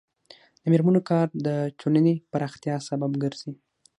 د میرمنو کار د ټولنې پراختیا سبب ګرځي.